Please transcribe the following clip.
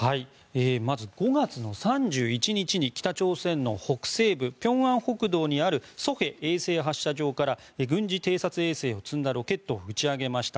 まず、５月の３１日に北朝鮮の北西部、平安北道にある西海衛星発射場から軍事偵察衛星を積んだロケットを打ち上げました。